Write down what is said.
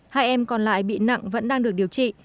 hai em còn lại bị nặng vẫn đang được điều trị